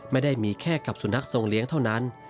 ไม่ได้มีแค่กับสุนัขทรงเลี้ยงเท่านั้น